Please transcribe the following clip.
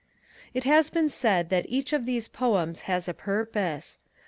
It has been said that each of these poems has a purpose.